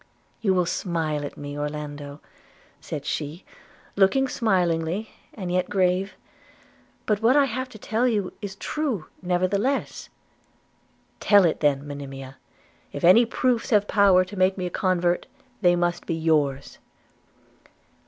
'You will laugh at me, Orlando,' said she, looking smilingly and yet grave; 'but what I have to tell you is true nevertheless.' 'Tell it then, Monimia – If any proofs have power to make me a convert, they must be yours.'